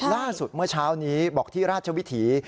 เมื่อเช้านี้บอกที่ราชวิถี